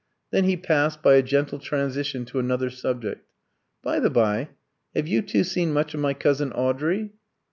Then he passed, by a gentle transition, to another subject. "By the bye, have you two seen much of my cousin Audrey?"